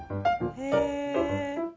へえ。